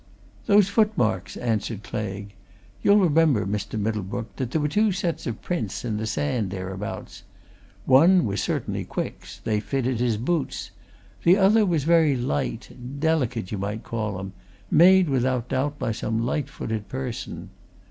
"Those footmarks," answered Claigue. "You'll remember, Mr. Middlebrook, that there were two sets of prints in the sand thereabouts. One was certainly Quick's they fitted his boots. The other was very light delicate, you might call 'em made, without doubt, by some light footed person.